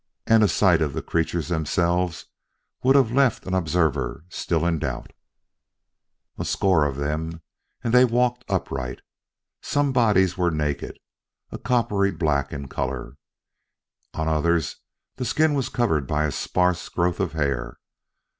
And a sight of the creatures themselves would have left an observer still in doubt. A score of them, and they walked upright. Some bodies were naked, a coppery black in color; on others the skin was covered by a sparse growth of hair.